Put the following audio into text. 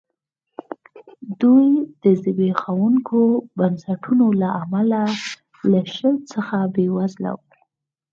دوی د زبېښونکو بنسټونو له امله له شل څخه بېوزله وو.